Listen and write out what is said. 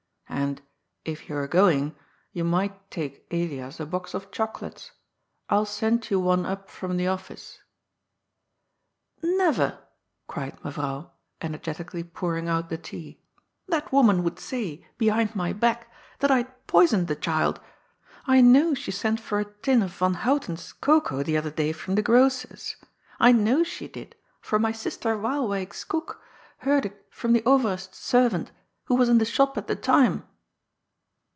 And, if you are going, you might take Elias a box of chocolates. I'll send you one up from the office." *' Never !" cried Mevrouw, energetically pouring out the tea. " That woman would say — behind my back — that I had poisoned the child. I know she sent for a tin of Van Houten's cocoa the other day from the grocer's. I know she did, for my sister Waalwyk's cook heard it from the Over est's servant, who was in the shop at the time."